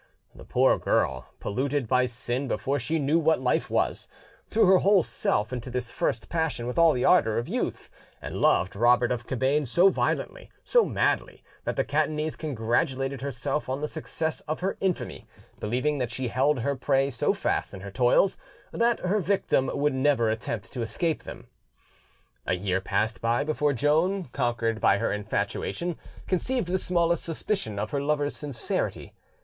The poor girl, polluted by sin before she knew what life was, threw her whole self into this first passion with all the ardour of youth, and loved Robert of Cabane so violently, so madly, that the Catanese congratulated herself on the success of her infamy, believing that she held her prey so fast in her toils that her victim would never attempt to escape them. A year passed by before Joan, conquered by her infatuation, conceived the smallest suspicion of her lover's sincerity.